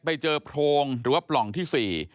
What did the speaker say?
ไปเจอโพรงหรือว่าปล่องที่๔